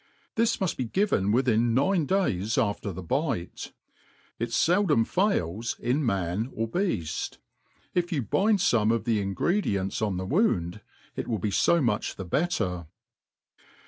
This muft be given within nine days after the bite : it feldom fails in man or beaft. If you bind fome of the ingredients on the wound, it will be A) much the better.